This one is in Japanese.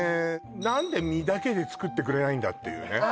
何で実だけで作ってくれないんだっていうね